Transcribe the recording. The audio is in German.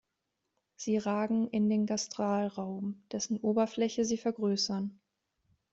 Sie ragen in den Gastralraum, dessen Oberfläche sie vergrößern.